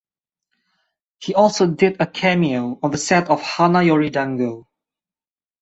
He also did a cameo on the set of "Hana Yori Dango".